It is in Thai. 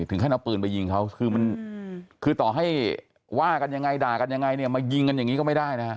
ถึงขั้นเอาปืนไปยิงเขาคือมันคือต่อให้ว่ากันยังไงด่ากันยังไงเนี่ยมายิงกันอย่างนี้ก็ไม่ได้นะฮะ